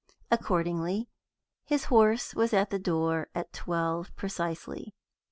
Accordingly, his horse was at the door at twelve precisely.